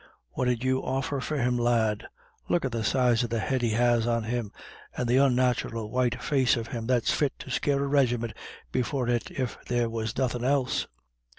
What 'ud you offer for him, lad? Look at the size of the head he has on him, and the onnathural white face of him that's fit to scare a rigimint before it, if there was nothin' else."